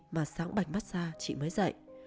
mà sáng bạch mắt ra chị mới dậy